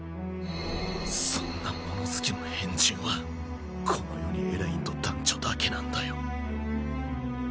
そんな物好きの変人はこの世にエレインと団ちょだけなんだよ。